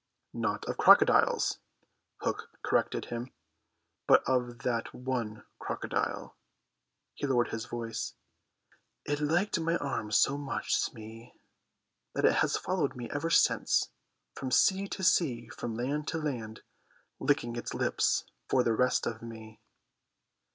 "Not of crocodiles," Hook corrected him, "but of that one crocodile." He lowered his voice. "It liked my arm so much, Smee, that it has followed me ever since, from sea to sea and from land to land, licking its lips for the rest of me."